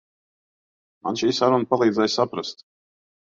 Man šī saruna palīdzēja saprast.